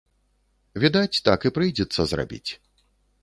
Відаць, так і прыйдзецца зрабіць.